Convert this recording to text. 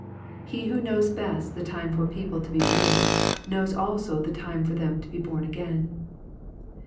He who knows best the time for people to be bom, knows also the time for them to be born again.